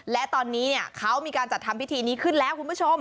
และตอนนี้เขามีการจัดทำพิธีนี้ขึ้นแล้วคุณผู้ชม